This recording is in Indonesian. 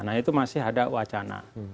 nah itu masih ada wacana